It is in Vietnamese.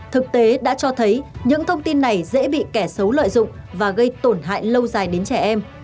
thực tế đã cho thấy những thông tin này dễ bị kẻ xấu lợi dụng và gây tổn hại lâu dài đến trẻ em